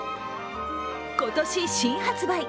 今年新発売！